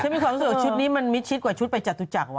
มีความรู้สึกว่าชุดนี้มันมิดชิดกว่าชุดไปจตุจักรว่